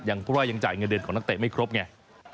เพราะว่ายังจ่ายเงินเดือนของนักเตะไม่ครบไง